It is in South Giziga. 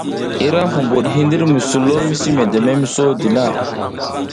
Ira huɓuɗ hindir mi sulo misi medeme mi sodi na.